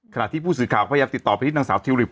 ขณะที่ผู้สื่อข่าวพยายามติดต่อไปที่นางสาวทิวลิป